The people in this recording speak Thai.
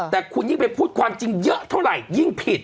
แต่คุณยิ่งไปพูดความจริงเยอะเท่าไหร่ยิ่งผิด